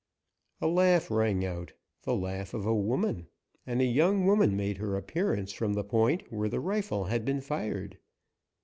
A laugh rang out, the laugh of a woman, and a young woman made her appearance from the point where the rifle had been fired.